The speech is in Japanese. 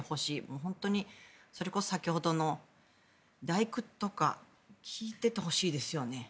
本当にそれこそ先ほどの「第九」とか聴いててほしいですよね。